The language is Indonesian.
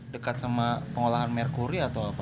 dekat sama pengolahan merkuri atau apa